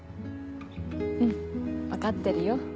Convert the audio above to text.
うん分かってるよ。